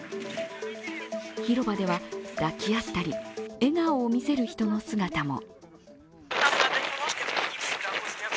広場では抱き合ったり笑顔を見せる人の姿も。